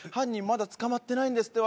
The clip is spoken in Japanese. まだ捕まってないんですって